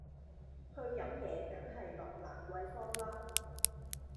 去飲嘢梗係落蘭桂芳啦